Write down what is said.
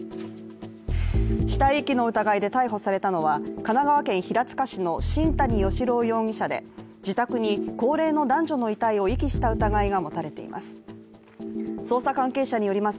死体遺棄の疑いで逮捕されたのは神奈川県平塚市の新谷嘉朗容疑者で自宅に高齢の男女の遺体を遺棄した疑いが持たれています。